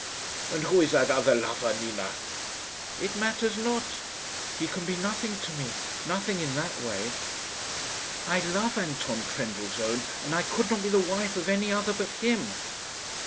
"And who is that other lover, Nina?" "It matters not. He can be nothing to me nothing in that way. I love Anton Trendellsohn, and I could not be the wife of any other but him."